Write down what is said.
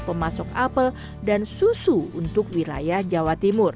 pemasok apel dan susu untuk wilayah jawa timur